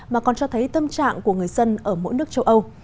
mà còn cho thấy tâm trạng của người dân ở mỗi nước châu âu